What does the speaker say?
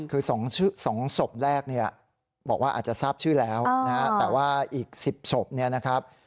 คือ๒ศพแรกเนี่ยบอกว่าอาจจะทราบชื่อแล้วนะฮะแต่ว่าอีก๑๐ศพเนี่ยนะครับ